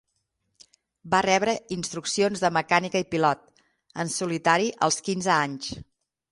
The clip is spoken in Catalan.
Va rebre instruccions de mecànica i pilot, en solitari als quinze anys.